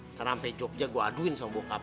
ntar sampai jogja gue aduin sama bokap